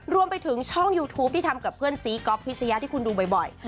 รวมไปถึงช่องยูทูปที่ทำกับเพื่อนซีก๊อฟพิชยะที่คุณดูบ่อย